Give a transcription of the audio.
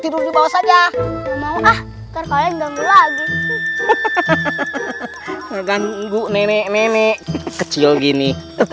mundur saja mau ah terkuliah gelag rercandu nenek nenek kecil gini